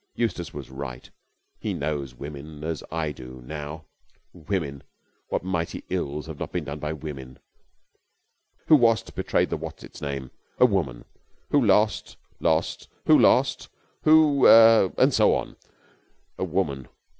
Eustace was right. He knows women as I do now. Women! What mighty ills have not been done by women? Who was't betrayed the what's its name? A woman! Who lost ... lost ... who lost ... who er and so on? A woman